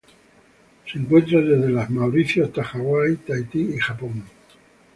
Se encuentra desde Mauricio hasta Hawái, Tahití y Japón.